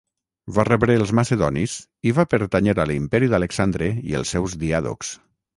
Va rebre els macedonis i va pertànyer a l'imperi d'Alexandre i els seus diàdocs.